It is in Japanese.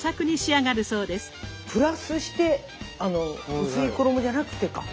プラスして薄い衣じゃなくてか。